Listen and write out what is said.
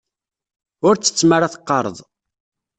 Ur ttett mi ara teqqareḍ.